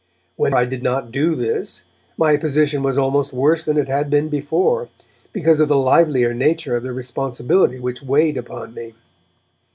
When I did not do this, my position was almost worse than it had been before, because of the livelier nature of the responsibility which weighed upon me.